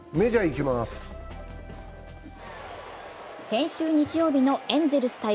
先週日曜日のエンゼルス対